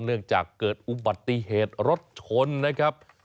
เนื่องจากเกิดอุบัติเหตุรถชนนะครับ